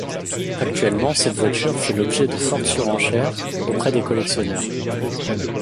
Actuellement cette voiture fait l'objet de fortes surenchères auprès des collectionneurs.